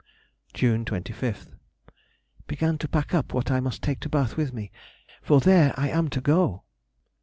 June 25th.—Began to pack up what I must take to Bath with me, for there I am to go!